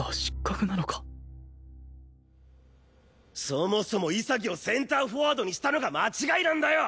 そもそも潔をセンターフォワードにしたのが間違いなんだよ！